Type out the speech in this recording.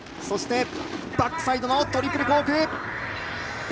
そして、バックサイドトリプルコーク１４４０。